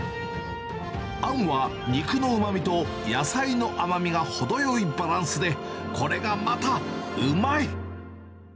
あんは肉のうまみと野菜の甘みが程よいバランスで、これがまたうまい。